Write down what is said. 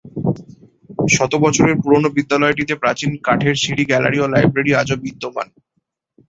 শত বছরের পুরোনো বিদ্যালয়টিতে প্রাচীন কাঠের সিঁড়ি, গ্যালারি ও লাইব্রেরি আজও বিদ্যমান।